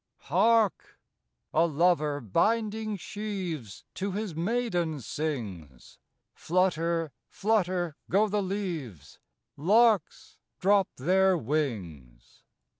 TTARK ! a lover binding sheaves To his maiden sings, Flutter, flutter go the leaves, Larks drop their wings.